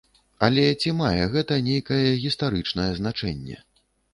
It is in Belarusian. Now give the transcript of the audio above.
Але ці мае гэта нейкае гістарычнае значэнне?